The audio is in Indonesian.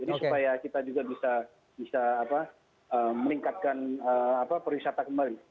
jadi supaya kita juga bisa meningkatkan perwisata kembali